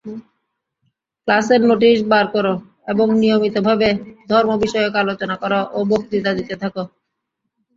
ক্লাসের নোটিস বার কর এবং নিয়মিতভাবে ধর্মবিষয়ক আলোচনা কর ও বক্তৃতা দিতে থাক।